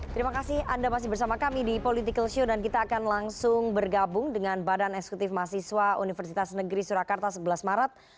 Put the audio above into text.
terima kasih anda masih bersama kami di political show dan kita akan langsung bergabung dengan badan eksekutif mahasiswa universitas negeri surakarta sebelas maret